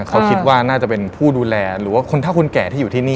เขาคิดว่าน่าจะเป็นผู้ดูแลหรือว่าคนเท่าคนแก่ที่อยู่ที่นี่